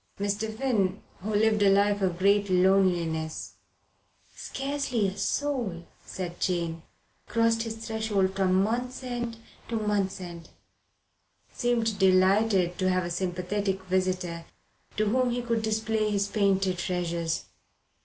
Mr. Finn, who lived a life of great loneliness scarcely a soul, said Jane, crossed his threshold from month's end to month's end seemed delighted to have a sympathetic visitor to whom he could display his painted treasures.